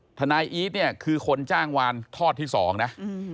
น่ะครับธนายอี๊ดเนี่ยคือคนจ้างวารทอดที่สองนะ